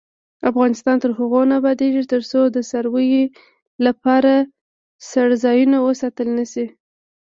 افغانستان تر هغو نه ابادیږي، ترڅو د څارویو لپاره څړځایونه وساتل نشي.